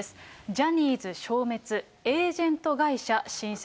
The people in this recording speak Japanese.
ジャニーズ消滅、エージェント会社新設。